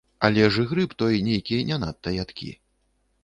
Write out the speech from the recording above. Але ж і грыб той нейкі не надта ядкі.